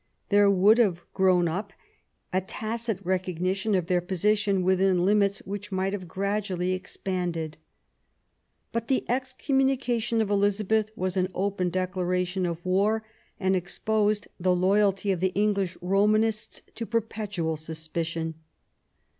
There would have grown up a tacit re cognition of their position within limits which might have gradually expanded. But the excommunica tion of Elizabeth was an open declaration of war, and exposed the loyalty of the English Romanists to perpetual suspicion.